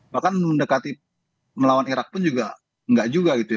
bahkan mendekati melawan irak pun juga enggak juga gitu ya